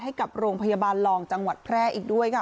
ให้กับโรงพยาบาลรองจังหวัดแพร่อีกด้วยค่ะ